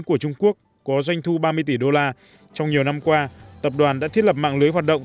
của trung quốc có doanh thu ba mươi tỷ đô la trong nhiều năm qua tập đoàn đã thiết lập mạng lưới hoạt động